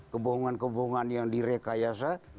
kebohongan kebohongan yang direkayasa